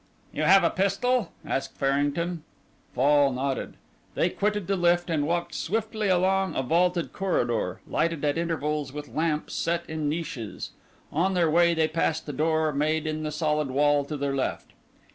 "You have a pistol?" asked Farrington. Fall nodded. They quitted the lift and walked swiftly along a vaulted corridor, lighted at intervals with lamps set in niches. On their way they passed a door made in the solid wall to their left.